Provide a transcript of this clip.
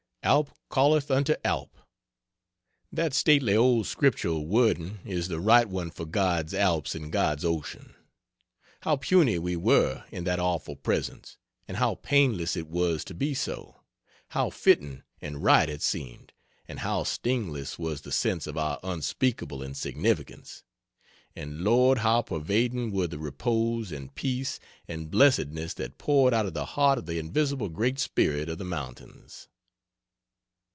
Alp calleth unto Alp! that stately old Scriptural wording is the right one for God's Alps and God's ocean. How puny we were in that awful presence and how painless it was to be so; how fitting and right it seemed, and how stingless was the sense of our unspeakable insignificance. And Lord how pervading were the repose and peace and blessedness that poured out of the heart of the invisible Great Spirit of the Mountains.